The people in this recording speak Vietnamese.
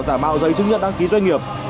giả mạo giấy chứng nhận đăng ký doanh nghiệp